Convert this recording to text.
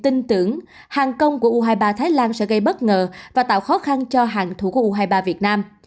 tin tưởng hàng công của u hai mươi ba thái lan sẽ gây bất ngờ và tạo khó khăn cho hàng thủ u hai mươi ba việt nam